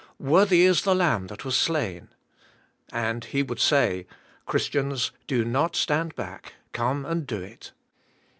Worthy is the Lamb that was slain. '^ And he would say, ^'Christians, donot stand back; come and do it."